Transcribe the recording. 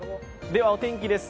ではお天気です。